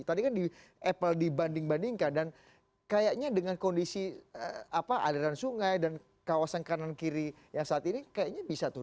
tadi kan di apple dibanding bandingkan dan kayaknya dengan kondisi aliran sungai dan kawasan kanan kiri yang saat ini kayaknya bisa tuh